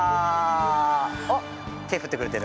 あ、手振ってくれてる！